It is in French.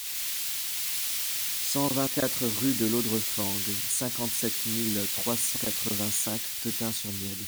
cent vingt-quatre rue de Laudrefang, cinquante-sept mille trois cent quatre-vingt-cinq Teting-sur-Nied